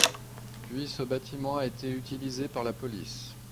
Puis ce bâtiment a été utilisé par la police.